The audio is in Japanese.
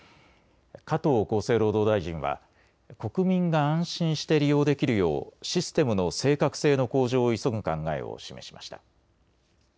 加藤厚生労働大臣は国民が安心して利用できるようシステムの正確性の向上を急ぐ考えを示しました。